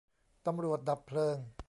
ตำรวจดับเพลิง